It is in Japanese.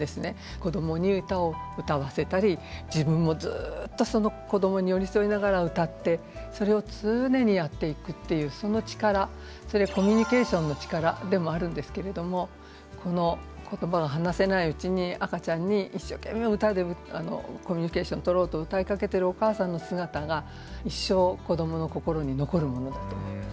子どもに歌を歌わせたり自分もずっとその子どもに寄り添いながら歌ってそれを常にやっていくっていうその力それはコミュニケーションの力でもあるんですけれどもこの言葉が話せないうちに赤ちゃんに一生懸命歌でコミュニケーションとろうと歌いかけてるお母さんの姿が一生子どもの心に残るものだと思います。